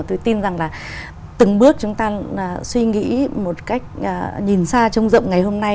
tôi tin rằng là từng bước chúng ta suy nghĩ một cách nhìn xa trông rộng ngày hôm nay